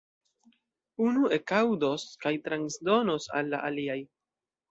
Unu ekaŭdos kaj transdonos al la aliaj.